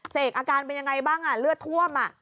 เสกอาการเป็นยังไงบ้างเลือดท่วม